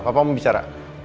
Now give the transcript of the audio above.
bapak mau bicara